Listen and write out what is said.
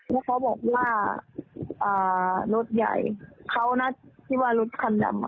แล้วเขาบอกว่ารถใหญ่เขานะที่ว่ารถคันดำ